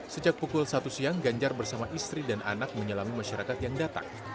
sejak pukul satu siang ganjar bersama istri dan anak menyelami masyarakat yang datang